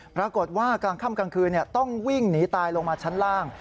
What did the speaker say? ปรากฏว่ากลางค่ำกลางคืนต้องวิ่งหนีตายลงมาชั้นล่าง